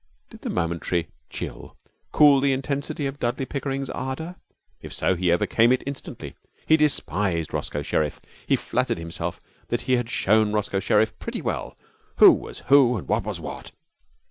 Did a momentary chill cool the intensity of Dudley Pickering's ardour? If so he overcame it instantly. He despised Roscoe Sherriff. He flattered himself that he had shown Roscoe Sherriff pretty well who was who and what was what.